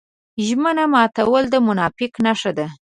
ژمنه ماتول د منافق نښه ده.